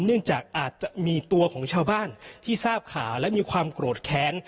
เนื่องจากอาจจะมีตัวของชาวบ้านที่ทราบข่าวและมีความโกรธแค้น